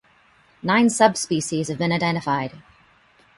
Nine subspecies have been identified.